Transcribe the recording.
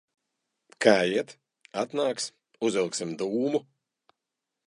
Kā iet? Atnāksi, uzvilksim dūmu?